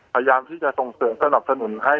พยายามที่จะส่งเสริมสนับสนุนให้